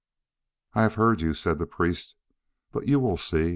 "I have heard you," said the priest; "but you will see.